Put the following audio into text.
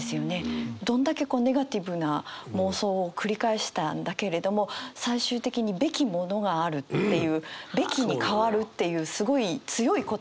どんだけネガティブな妄想を繰り返したんだけれども最終的に「べきものがある」っていう「べき」に変わるっていうすごい強い言葉に変わる。